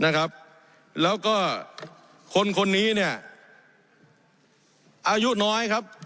นะครับแล้วก็คนคนนี้เนี่ยอายุน้อยครับ